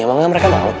emang gak mereka mau